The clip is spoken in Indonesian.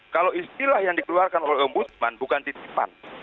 kalau istilah yang dikeluarkan oleh om budman bukan titipan